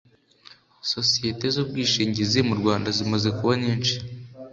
Sosiyete zubwishingizi mu Rwanda zimaze kuba nyinshi